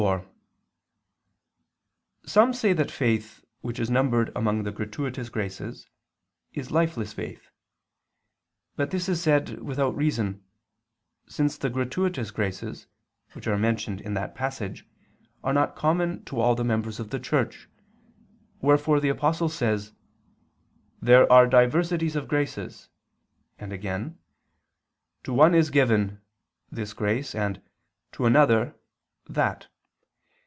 4: Some say that faith which is numbered among the gratuitous graces is lifeless faith. But this is said without reason, since the gratuitous graces, which are mentioned in that passage, are not common to all the members of the Church: wherefore the Apostle says: "There are diversities of graces," and again, "To one is given" this grace and "to another" that.